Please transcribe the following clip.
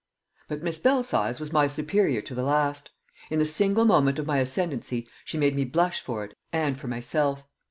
But Miss Belsize was my superior to the last; in the single moment of my ascendency she made me blush for it and for myself.